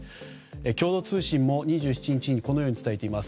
共同通信も２７日にこのように伝えています。